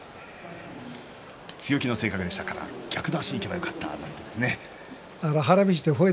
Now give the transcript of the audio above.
強気の性格でしたから逆の足にいけばよかったなんて。